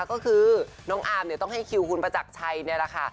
ก็คือน้องอาร์มต้องให้คิวคุณประจักรชัยนี่แหละค่ะ